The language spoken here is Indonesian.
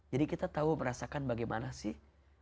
jadi kita tahu merasakan bagaimana sih